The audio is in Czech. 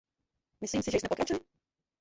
Myslím si, že jsme pokročili?